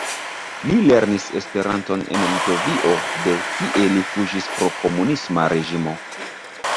Li lernis Esperanton en Litovio de kie li fuĝis pro komunisma reĝimo.